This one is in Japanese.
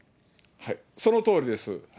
そのとおりです。